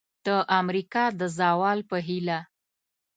د امریکا د زوال په هیله!